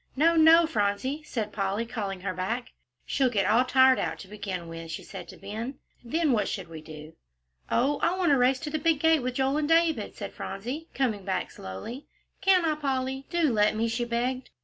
"No, no, Phronsie," said Polly, calling her back. "She'll get all tired out to begin with," she said to Ben, "then what should we do?" "Oh, I want to race to the big gate with Joel and David," said Phronsie, coming back slowly. "Can't I, Polly? Do let me," she begged.